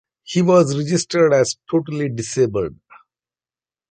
He was registered as totally disabled.